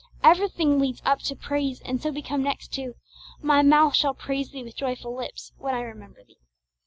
Everything leads up to praise, and so we come next to 'My mouth shall praise Thee with joyful lips, when I remember Thee.'